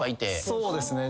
そうですね。